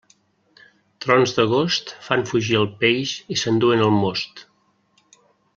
Trons d'agost fan fugir el peix i s'enduen el most.